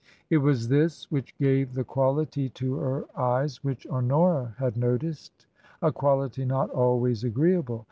It was this which gave the quality to her eyes which Honora had noticed — a quality not always agreeable.